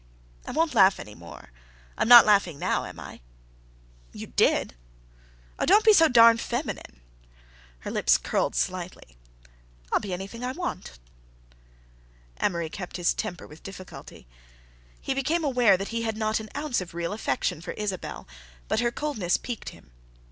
"I won't laugh any more. I'm not laughing now, am I?" "You did." "Oh, don't be so darned feminine." Her lips curled slightly. "I'll be anything I want." Amory kept his temper with difficulty. He became aware that he had not an ounce of real affection for Isabelle, but her coldness piqued him.